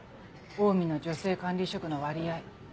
オウミの女性管理職の割合。